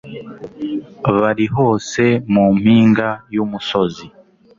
bari hose mu mpinga y'umusozi